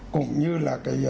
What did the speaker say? cũng như là